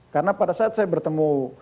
karena pada saat saya bertemu